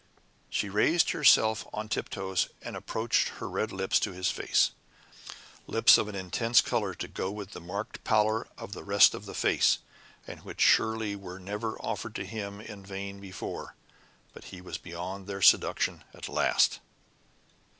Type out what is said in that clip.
She raised herself on tip toes and approached her red lips to his face lips of an intense color to go with the marked pallor of the rest of the face, and which surely were never offered to him in vain before but he was beyond their seduction at last.